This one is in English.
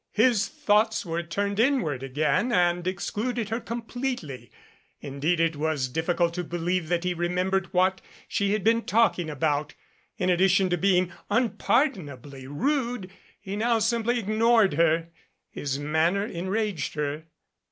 His thoughts were turned inward again and excluded her completely. Indeed it was diffi cult to believe that he remembered what she had been talking about. In addition to being unpardonably rude, he now simply ignored her. His manner enraged her.